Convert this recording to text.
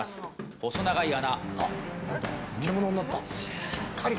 細長い穴。